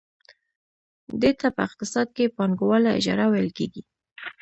دې ته په اقتصاد کې پانګواله اجاره ویل کېږي